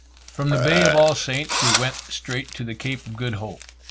From the Bay of All Saints we went straight to the Cape of Good Hope.